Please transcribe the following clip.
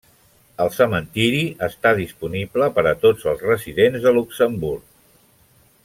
El cementiri està disponible per a tots els residents de Luxemburg.